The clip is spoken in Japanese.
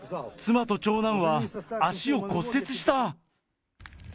妻と長男は足を骨折した。